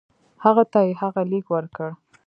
هغه ته یې هغه لیک ورکړ.